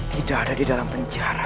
tidak ada di dalam penjara